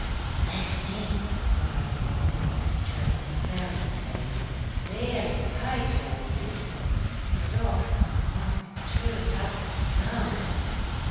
"Bless me!" cried the Goblin, turning very pale, "they're sky terriers. The dog star must have turned upside down."